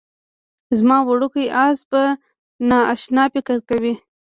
زما وړوکی اس به نا اشنا فکر کوي